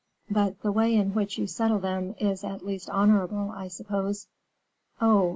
"But the way in which you settle them is at least honorable, I suppose?" "Oh!